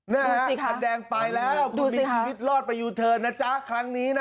นะฮะคันแดงไปแล้วคุณมีชีวิตรอดไปยูเทิร์นนะจ๊ะครั้งนี้นะ